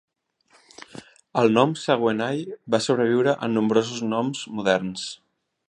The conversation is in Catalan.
El nom Saguenay va sobreviure en nombrosos noms moderns.